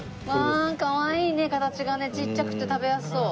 わあかわいいね形がねちっちゃくて食べやすそう。